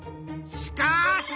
しかし！